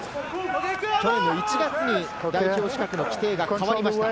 去年の１月に代表資格の規定が変わりました。